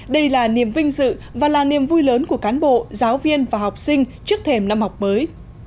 đây là niềm vinh dự và là niềm vui lớn của cán bộ giáo viên và học sinh trước thềm năm học mới